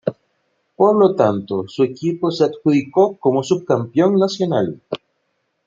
Por lo tanto, su equipo se adjudicó como subcampeón nacional.